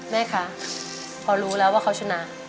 แม่คะพอรู้แล้วว่าเขาชนะ